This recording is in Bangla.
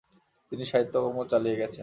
তিনি সাহিত্যকর্ম চালিয়ে গেছেন।